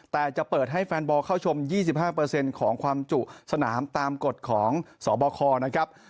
แต่จะเปิดให้แฟนบอลเข้าชมยี่สิบห้าเปอร์เซ็นต์ของความจุสนามตามกฎของสอบคลนะครับ